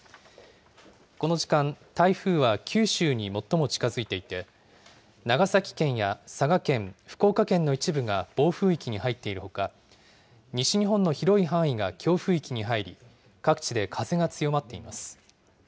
この時間、台風は九州に最も近づいていて、長崎県や佐賀県、福岡県の一部が暴風域に入っているほか、西日本の広い範囲が強風域に入り、各地で風が強まっています。